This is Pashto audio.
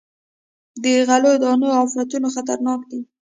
د غلو دانو افتونه خطرناک دي.